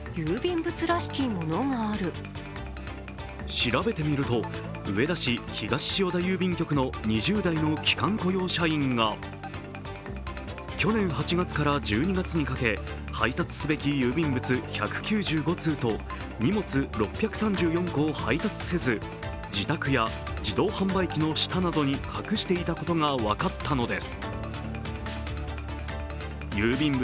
調べてみると、上田市・東塩田郵便局の２０代の期間雇用社員が去年８月から１２月にかけ、配達すべき郵便物１９５通と荷物６３４個を配達せず自宅や自動販売機の下などに隠していたことが分かったのです。